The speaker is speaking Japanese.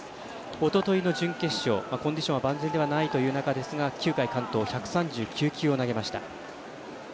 おとといの準決勝コンディションは万全ではないという中ですが９回１３９球を投げました。